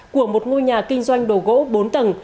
của một ngôi nhà kinh doanh đồ gỗ bốn tầng